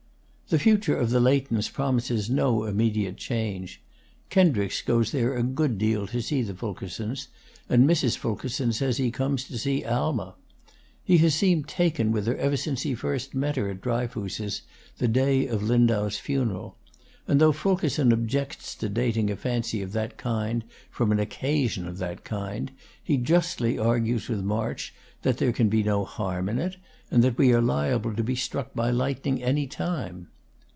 The future of the Leightons promises no immediate change. Kendricks goes there a good deal to see the Fulkersons, and Mrs. Fulkerson says he comes to see Alma. He has seemed taken with her ever since he first met her at Dryfoos's, the day of Lindau's funeral, and though Fulkerson objects to dating a fancy of that kind from an occasion of that kind, he justly argues with March that there can be no harm in it, and that we are liable to be struck by lightning any time.